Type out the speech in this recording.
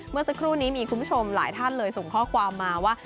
เมื่อสักครู่นี้มีคุณผู้ชมหลายท่านเลยส่งข้อความมาว่า